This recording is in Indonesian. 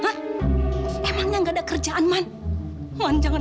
apa yang kamu lakukan untuk menangani nona zairan